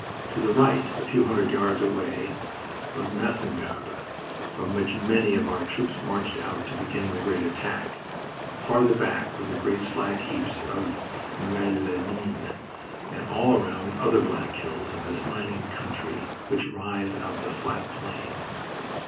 To the right, a few hundred yards away, was Masingarbe, from which many of our troops marched out to begin the great attack. Farther back were the great slag heaps of Noeux les Mines, and all around other black hills of this mining country which rise out of the flat plain.